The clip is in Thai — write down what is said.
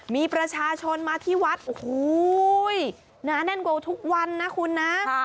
มีประชาชนมาที่วัดโอ้โหหนาแน่นกว่าทุกวันนะคุณนะ